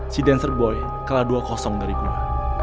si dancer boy kalah dua dari gua